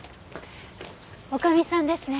女将さんですね。